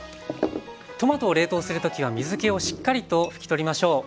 トマトを冷凍する時は水けをしっかりと拭き取りましょう。